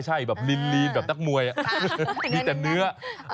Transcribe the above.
ใช่แบบลีนแบบนักมวยมีแต่เนื้อ